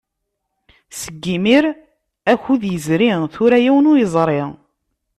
Seg imir akud yezri, tura yiwen ur yeẓri.